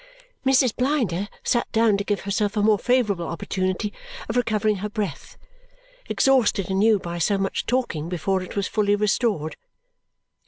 Mrs. Blinder sat down to give herself a more favourable opportunity of recovering her breath, exhausted anew by so much talking before it was fully restored.